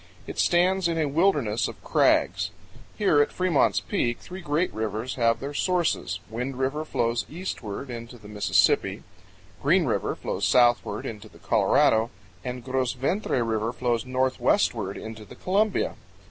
It stands in a wilderness of crags. Here at Fremont's Peak three great rivers have their sources: Wind River flows eastward into the Mississippi; Green River flows southward into the Colorado; and Gros Ventre River flows northwestward into the Columbia.